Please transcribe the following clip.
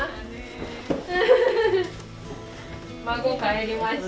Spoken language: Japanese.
孫、帰りました。